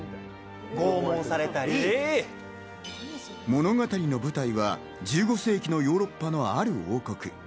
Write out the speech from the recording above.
物語の舞台は１５世紀のヨーロッパのある王国。